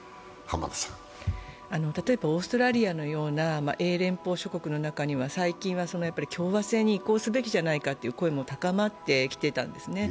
例えばオーストラリアのような英連邦諸国の中では最近は共和制に移行すべきじゃないかという声も高まってきていたんですね。